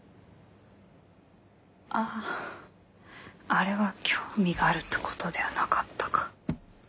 あああれは興味があるってことではなかったか。